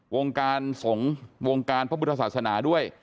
วงการโสงวงการพบุพธศาสนาด้วย